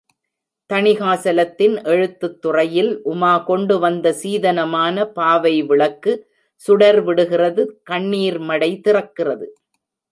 தணிகாசலத்தின் எழுத்துத் துறையில் உமா கொண்டு வந்த சீதனமான பாவை விளக்கு சுடர் விடுகிறது கண்ணீர்மடை திறக்கிறது.